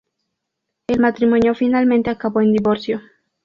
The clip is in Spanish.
El matrimonio finalmente acabó en divorcio.